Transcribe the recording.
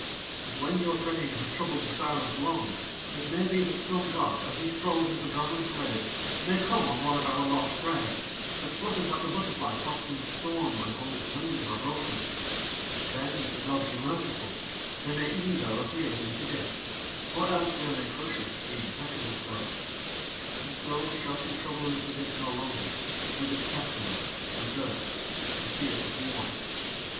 But when your praying has troubled the silence long it may be that some god as he strolls in Pegana's glades may come on one of our lost prayers, that flutters like a butterfly tossed in storm when all its wings are broken; then if the gods be merciful they may ease our fears in Sidith, or else they may crush us, being petulant gods, and so we shall see trouble in Sidith no longer, with its pestilence and dearth and fears of war."